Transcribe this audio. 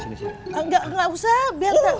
enggak enggak usah biar tante